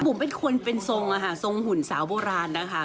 บุ๋มเป็นคนเป็นทรงอะห่าหุ่นสาวโบราณนะคะ